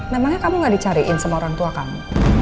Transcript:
memangnya kamu gak dicariin sama orang tua kamu